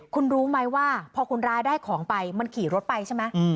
คุณรู้ไหมว่าพอคนร้ายได้ของไปมันขี่รถไปใช่ไหม